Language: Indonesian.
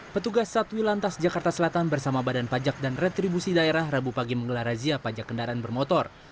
petugas satwi lantas jakarta selatan bersama badan pajak dan retribusi daerah rabu pagi menggelar razia pajak kendaraan bermotor